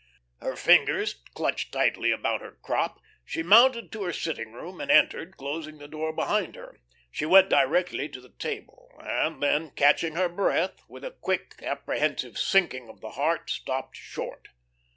Her fingers clutched tightly about her crop, she mounted to her sitting room and entered, closing the door behind her. She went directly to the table, and then, catching her breath, with a quick, apprehensive sinking of the heart, stopped short.